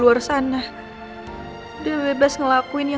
bukan anak ricky